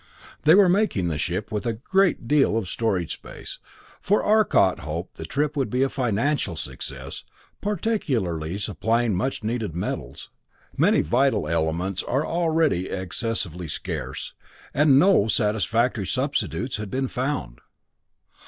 They were making the ship with a great deal of empty storage space, for Arcot hoped the trip would be a financial success, particularly supplying much needed metals. Many vital elements were already excessively scarce, and no satisfactory substitutes had been found.